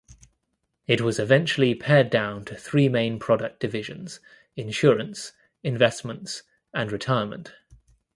It was eventually pared down to three main product divisions: insurance, investments, and retirement.